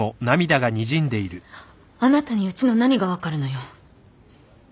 あなたにうちの何が分かるのよ。